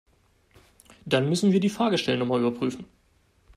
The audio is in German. Dann müssen wir die Fahrgestellnummer überprüfen.